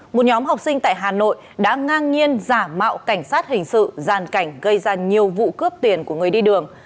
một nhóm học sinh tại hà nội đã ngang nhiên giả mạo cảnh sát hình sự giàn cảnh gây ra nhiều vụ cướp tiền của người đi đường